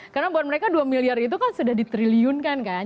karena buat mereka dua miliar itu kan sudah di triliun kan